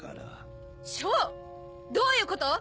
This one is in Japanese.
どういうこと！？